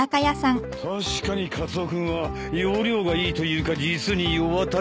確かにカツオ君は要領がいいというか実に世渡り上手だよ。